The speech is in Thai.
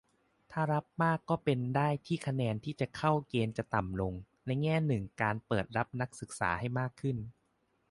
ถ้ารับมากก็เป็นได้ที่คะแนนที่จะเข้าเกณฑ์จะต่ำลง - ในแง่หนึ่ง การเปิดรับนักศึกษาให้มากขึ้น